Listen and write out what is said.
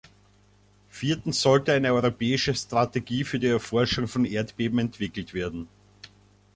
Viertens sollte eine europäische Strategie für die Erforschung von Erdbeben entwickelt werden.